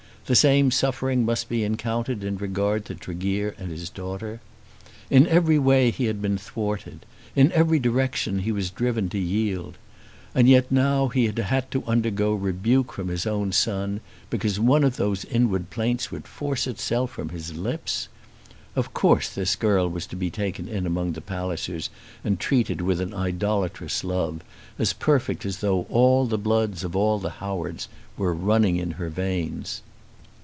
The same suffering must be encountered in regard to Tregear and his daughter. In every way he had been thwarted. In every direction he was driven to yield. And yet now he had to undergo rebuke from his own son, because one of those inward plaints would force itself from his lips! Of course this girl was to be taken in among the Pallisers and treated with an idolatrous love, as perfect as though "all the blood of all the Howards" were running in her veins.